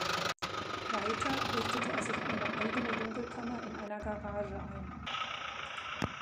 Weiter richtete er sich eine eigene Dunkelkammer in einer Garage ein.